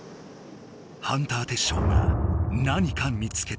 ハンターテッショウが何か見つけた。